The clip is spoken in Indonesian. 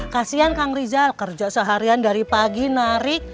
kasian kang rizal kerja seharian dari pagi narik